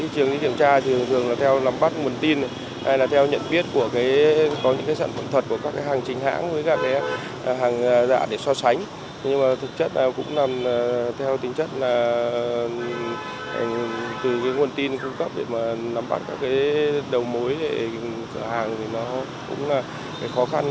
thế đầu mối thì cửa hàng thì nó cũng là cái khó khăn trong cái bước đầu để kiểm tra